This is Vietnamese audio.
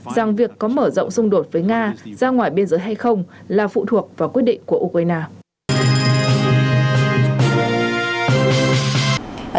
rằng việc có mở rộng xung đột với nga ra ngoài biên giới hay không là phụ thuộc vào quyết định của ukraine